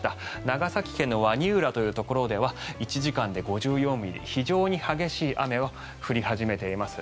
長崎県の鰐浦というところでは１時間で５４ミリ非常に激しい雨が降り始めています。